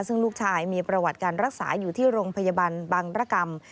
ซึ่งลูกชายมีประวัติการรักษาอยู่ที่โรงพยาบาลบังรกรรม